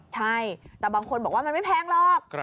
ใช่แต่บางคนบอกว่ามันไม่แพงหรอก